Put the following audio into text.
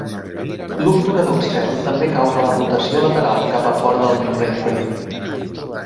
L'obturador extern també causa la rotació lateral cap a fora del membre inferior.